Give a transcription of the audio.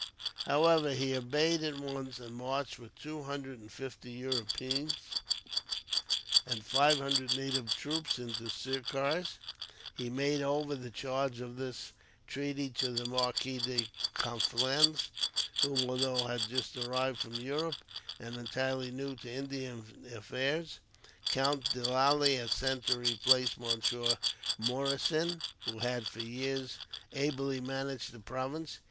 However, he obeyed at once; and marched, with two hundred and fifty Europeans and five hundred native troops, into the Sirkars. He made over the charge of this treaty to the Marquis de Conflans, whom, although but just arrived from Europe, and entirely new to Indian affairs, Count de Lally had sent to replace Monsieur Moracin, who had, for years, ably managed the province.